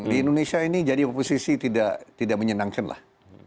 di indonesia ini jadi oposisi tidak menyenangkan lah